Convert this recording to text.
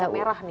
angka merah nih